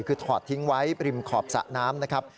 คือถอดทิ้งไว้ริมขอบสระน้ำนะครับ